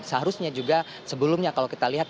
seharusnya juga sebelumnya kalau kita lihat